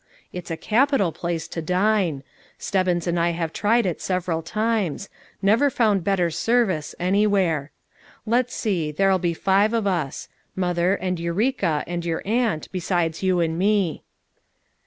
It's a capital place to dine; Stebbins and I have tried it several times; never found better service anywhere. Let's see, there'll be five of us; Mother, and Eureka and your aunt, besides you and mc."